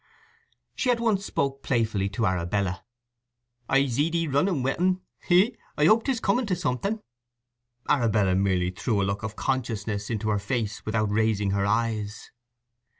She at once spoke playfully to Arabella: "I zeed 'ee running with 'un—hee hee! I hope 'tis coming to something?" Arabella merely threw a look of consciousness into her face without raising her eyes.